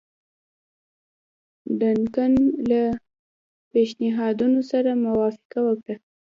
ډنکن له پېشنهادونو سره موافقه وکړه.